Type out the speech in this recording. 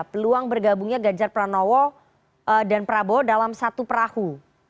peluang bergabungnya ganjar pranowo dan prabowo dalam satu perahu